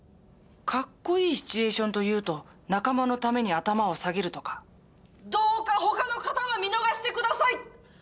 かっこいいシチュエーションというと仲間のために頭を下げるとかどうか他の方は見逃して下さい！